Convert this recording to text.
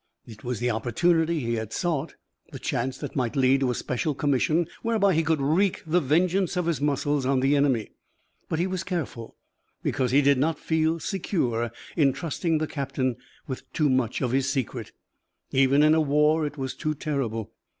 It was the opportunity he had sought, the chance that might lead to a special commission whereby he could wreak the vengeance of his muscles on the enemy. But he was careful, because he did not feel secure in trusting the captain with too much of his secret. Even in a war it was too terrible.